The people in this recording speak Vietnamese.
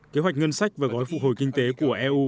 kế hoạch ngân sách và gói phục hồi kinh tế của eu